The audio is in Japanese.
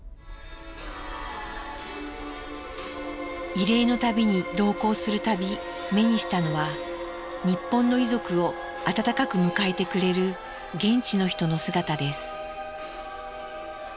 慰霊の旅に同行する度目にしたのは日本の遺族を温かく迎えてくれる現地の人の姿です。